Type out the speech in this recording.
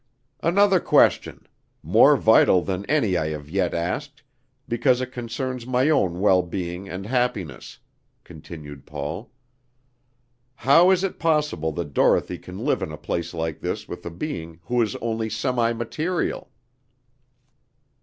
"Another question more vital than any I have yet asked, because it concerns my own well being and happiness," continued Paul; "how is it possible that Dorothy can live in a place like this with a being who is only semi material?